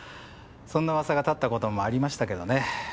そんな噂が立ったこともありましたけどね。